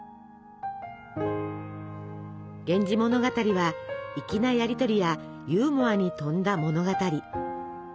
「源氏物語」は粋なやり取りやユーモアに富んだ物語。